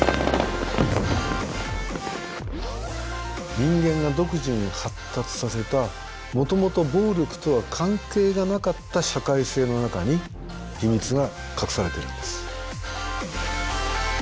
人間が独自に発達させたもともと暴力とは関係がなかった社会性の中に秘密が隠されているんです。